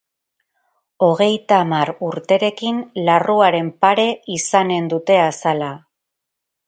Hogeita hamar urterekin larruaren pare izanen dute azala...